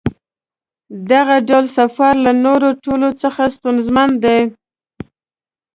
دغه ډول سفر له نورو ټولو څخه ستونزمن دی.